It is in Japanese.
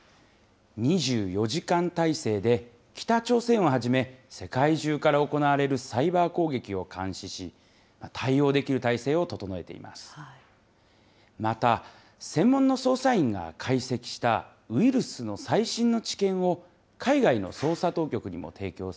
２４時間態勢で北朝鮮をはじめ世界中から行われるサイバー攻撃を監視し、対応できる体制を整えています。